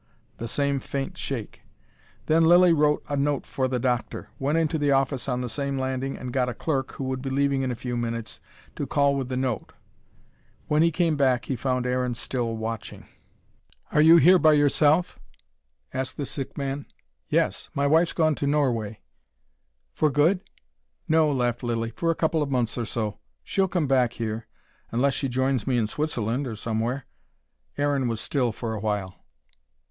The same faint shake. Then Lilly wrote a note for the doctor, went into the office on the same landing, and got a clerk, who would be leaving in a few minutes, to call with the note. When he came back he found Aaron still watching. "Are you here by yourself?" asked the sick man. "Yes. My wife's gone to Norway." "For good?" "No," laughed Lilly. "For a couple of months or so. She'll come back here: unless she joins me in Switzerland or somewhere." Aaron was still for a while.